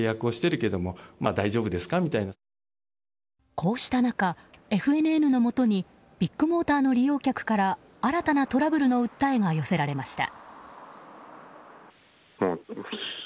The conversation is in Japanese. こうした中、ＦＮＮのもとにビッグモーターの利用客から新たなトラブルの訴えが寄せられました。